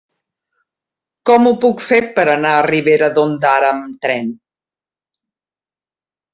Com ho puc fer per anar a Ribera d'Ondara amb tren?